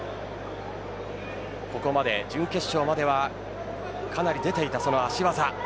ここまで準決勝まではかなり出ていた足技です。